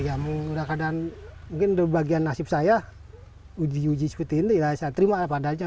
ya mungkin ada bagian nasib saya uji uji seperti ini ya saya terima padanya